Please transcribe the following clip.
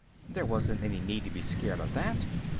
"There wasn't any need to be scared of that.